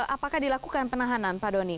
apakah dilakukan penahanan pak doni